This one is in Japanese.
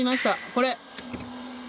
これ。